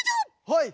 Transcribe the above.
はい！